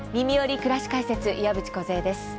くらし解説」岩渕梢です。